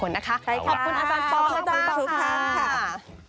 ขอบคุณอาจารย์ปอล์